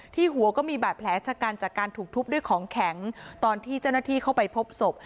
หัวก็มีบาดแผลชะกันจากการถูกทุบด้วยของแข็งตอนที่เจ้าหน้าที่เข้าไปพบศพ